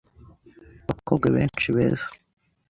Hano hari abakobwa benshi beza.